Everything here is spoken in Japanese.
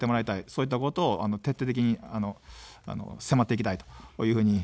そういったことを徹底的に迫っていきたいと思います。